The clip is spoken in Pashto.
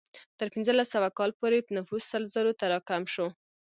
تر پنځلس سوه کال پورې نفوس سل زرو ته راکم شو.